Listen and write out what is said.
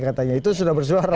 katanya itu sudah bersuara